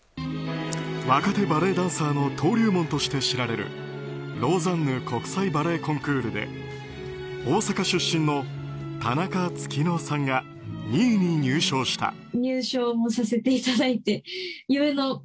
若手バレエダンサーの登竜門として知られるローザンヌ国際バレエコンクールで大阪出身の田中月乃さんが２位に入賞した。